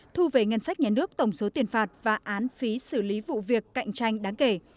thu về ngân sách nhà nước tổng số tiền phạt và án phí xử lý vụ việc cạnh tranh đáng kể